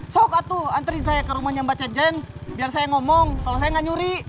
sok atuh anterin saya ke rumahnya mbak cen cen biar saya ngomong kalau saya enggak nyuri